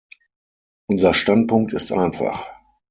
Unser Standpunkt ist einfach.